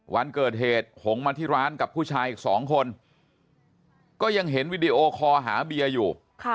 วันเกิดเหตุหงมาที่ร้านกับผู้ชายอีก๒คนก็ยังเห็นวิดีโอคอหาเบียร์อยู่